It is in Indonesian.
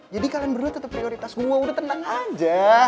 jadi kalian berdua tetep prioritas gue udah tenang aja